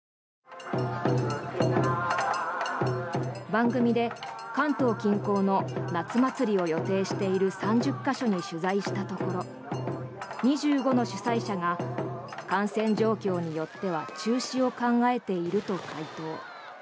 番組で関東近郊の夏祭りを予定している３０か所に取材したところ２５の主催者が感染状況によっては中止を考えていると回答。